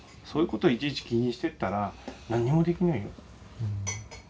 そういうことをいちいち気にしてたら何にもできないよ。